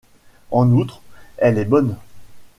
En outre, elle est bonne.